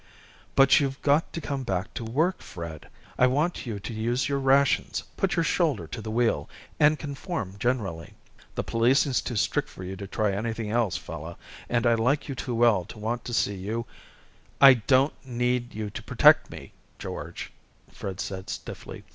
"But you've got to come back to work, Fred! I want you to use your rations, put your shoulder to the wheel, and conform generally. The policing's too strict for you to try anything else, fella and I like you too well to want to see you " "I don't need you to protect me, George," Fred said stiffly.